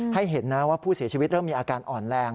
ให้เห็นนะว่าผู้เสียชีวิตเริ่มมีอาการอ่อนแรง